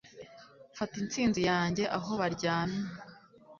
fata intsinzi yanjye aho baryamye